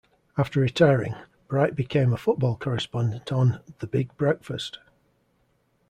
After retiring, Bright became a football correspondent on "The Big Breakfast".